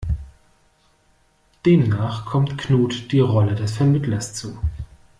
Demnach kommt Knut die Rolle des Vermittlers zu.